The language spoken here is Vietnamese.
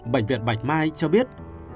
bệnh viện bạch mai cho biết